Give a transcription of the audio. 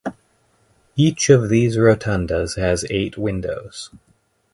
Each of these rotundas has eight windows.